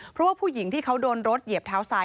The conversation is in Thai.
เพราะว่าผู้หญิงที่เขาโดนรถเหยียบเท้าซ้าย